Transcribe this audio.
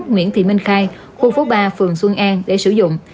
nguyễn thị minh khai khu phố ba phường xuân an để sử dụng